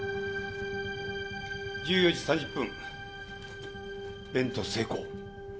１４時３０分ベント成功。